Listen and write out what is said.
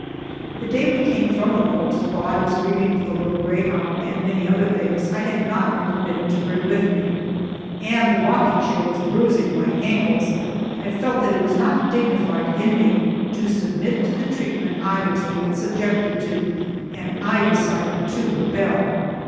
The day we came from the post, while I was grieving for the little greyhound and many other things I had not been permitted to bring with me, and the rocking chair was bruising my ankles, I felt that it was not dignified in me to submit to the treatment I was being subjected to, and I decided to rebel.